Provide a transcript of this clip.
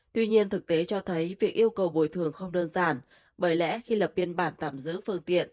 tuy nhiên thực tế cho thấy việc yêu cầu bồi thường không đơn giản bởi lẽ khi lập biên bản tạm giữ phương tiện